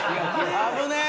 危ねえ。